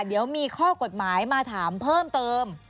เดี๋ยวมีข้อกฎหมายมาถามเพิ่มเติม